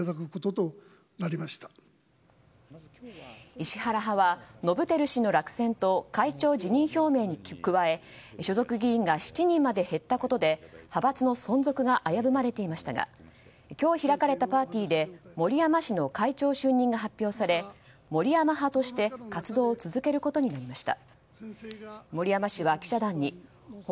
石原派は伸晃氏の落選と会長辞任表明に加え所属議員が７人まで減ったことで派閥の存続が危ぶまれていましたが今日開かれたパーティーで森山氏の会長就任が発表され森山派として活動を続けることになりました。